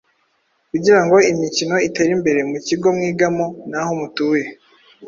kugira ngo imikino itere imbere mu kigo mwigamo n’aho mutuye.